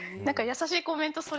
優しいコメント